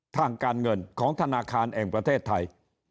ทางการเงินของธนาคารแห่งประเทศไทย